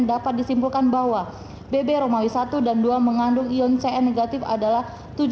dapat disimpulkan bahwa bb romawi satu dan dua mengandung ion cn negatif adalah